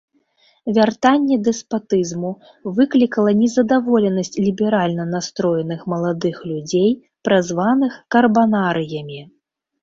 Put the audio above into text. Вяртанне дэспатызму выклікала незадаволенасць ліберальна настроеных маладых людзей, празваных карбанарыямі.